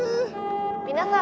「皆さん！